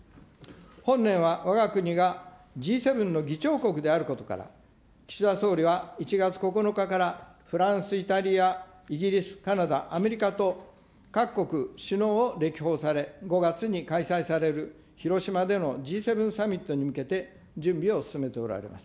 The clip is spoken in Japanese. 本年はわが国がＧ７の議長国であることから、岸田総理は１月９日からフランス、イタリア、イギリス、カナダ、アメリカと、各国首脳を歴訪され、５月に開催される広島でのＧ７サミットに向けて準備を進めておられます。